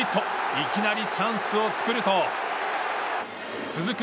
いきなりチャンスを作ると続く